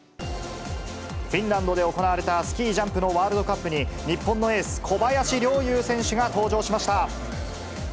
フィンランドで行われたスキージャンプのワールドカップに、日本のエース、小林陵侑選手が登場しました。